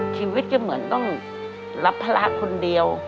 ชีวิตก็เหมือนต้องรับภาระคนเดียว